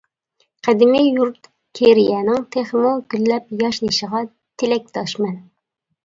قەدىمىي يۇرت كېرىيەنىڭ تېخىمۇ گۈللەپ ياشنىشىغا تىلەكداشمەن.